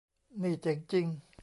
นี่เจ๋งจริง